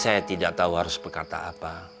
saya tidak tahu harus berkata apa